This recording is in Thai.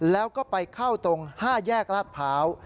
แล้วก็ไปเข้าตรงห้าแยกลาภาว